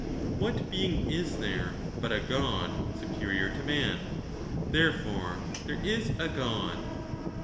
What being is there but a God superior to man ? Therefore there is a God."